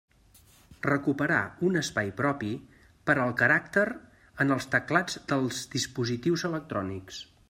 Recuperar un espai propi per al caràcter en els teclats dels dispositius electrònics.